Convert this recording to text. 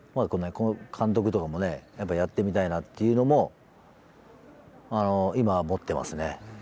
監督とかもねやっぱやってみたいなっていうのも今は持ってますね気持ちとしては。